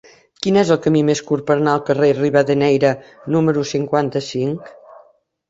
Quin és el camí més curt per anar al carrer de Rivadeneyra número cinquanta-cinc?